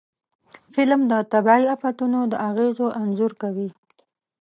فلم د طبعي آفتونو د اغېزو انځور کوي